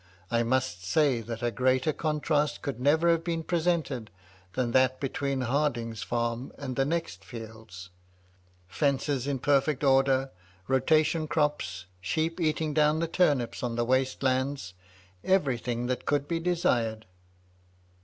I must say that a greater contrast could never have been presented than that between Harding's farm and the next fields — fences in perfect order, rotation crops, sheep eating down the turnips on the waste lands — everything that could be desired."